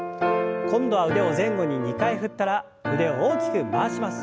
今度は腕を前後に２回振ったら腕を大きく回します。